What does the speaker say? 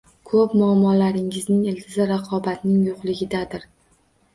Ko'p muammolarimizning ildizi raqobatning yo'qligidadir